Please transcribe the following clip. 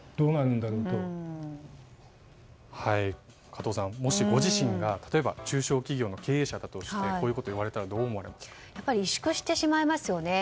加藤さん、もしご自身が例えば、中小企業の経営者だとしてこういうことを言われたら萎縮してしまいますね。